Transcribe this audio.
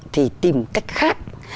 thì tìm cách khác